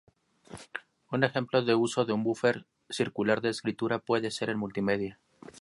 Un ejemplo de uso de un buffer circular de escritura puede ser en multimedia.